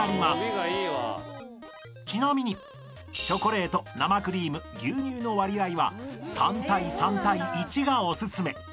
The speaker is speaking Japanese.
［ちなみにチョコレート生クリーム牛乳の割合は３：３：１がおすすめ］